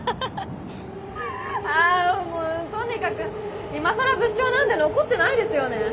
あもうとにかくいまさら物証なんて残ってないですよね。